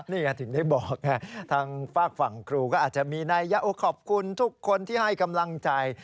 นี่ไงถึงได้บอกไงทางฝากฝั่งครูก็อาจจะมีนัยยะโอขอบคุณทุกคนที่ให้กำลังใจ